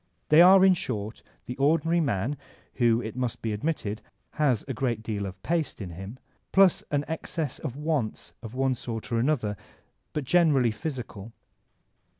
They are, in short, the ordinary man (who, it must be admitted, has a great deal of paste Crihb and Punishment 187 in him) plus an excess of wants of one sort and another, but generaUy physical.